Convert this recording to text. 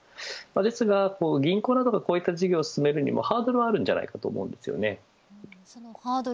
ですが、銀行などがこういった事業を進めるにもハードルはあると思います。